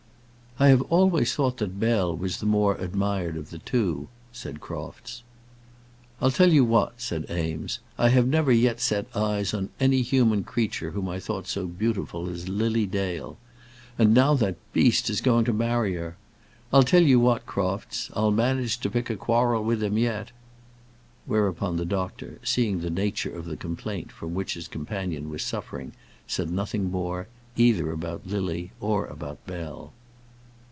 "I have always thought that Bell was the more admired of the two," said Crofts. "I'll tell you what," said Eames. "I have never yet set my eyes on any human creature whom I thought so beautiful as Lily Dale. And now that beast is going to marry her! I'll tell you what, Crofts; I'll manage to pick a quarrel with him yet." Whereupon the doctor, seeing the nature of the complaint from which his companion was suffering, said nothing more, either about Lily or about Bell.